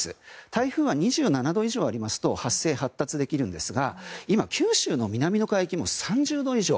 台風は２７度以上ありますと発生・発達できるんですが今、九州の南の海域も３０度以上。